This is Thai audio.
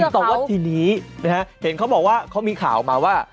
แต่ที่นี้เขามีข่าวว่า